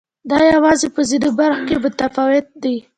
دوی یوازې په ځینو برخو کې متفاوت دي.